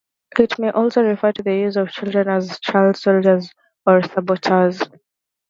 It may also refer to the use of children as child soldiers or saboteurs.